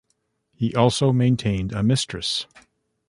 He also maintained a mistress.